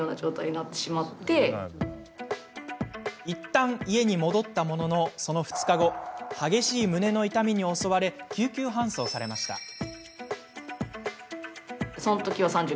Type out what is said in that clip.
いったん家に戻ったもののその２日後激しい胸の痛みに襲われ救急搬送されました。